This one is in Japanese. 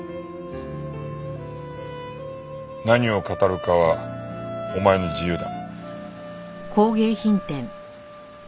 何を語るかはお前の自由だ。